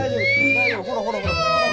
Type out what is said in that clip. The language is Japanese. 大丈夫ほらほらほらほら。